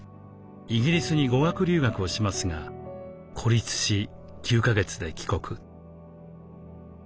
イギリスに語学留学をしますが孤立し９か月で帰国。